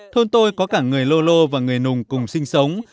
thôn tôi có cả người lô lô và người nùng cùng sinh sống